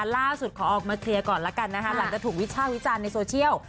ล่าสุดขอออกมาเคลียร์ก่อนแล้วกันหลังจากถูกวิจารณ์ในโซเชียล